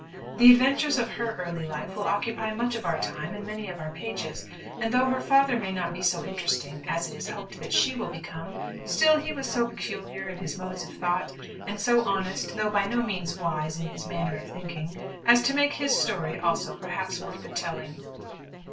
The adventures of her early life will occupy much of our time and many of our pages; and though her father may not be so interesting as it is hoped that she will become, still he was so peculiar in his modes of thought, and so honest, though by no means wise, in his manner of thinking, as to make his story also perhaps worth the telling.